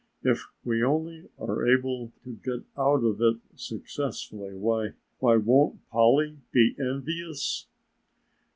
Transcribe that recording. If we only are able to get out of it successfully, why why, won't Polly be envious?"